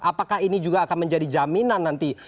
apakah ini juga akan menjadi jaminan nanti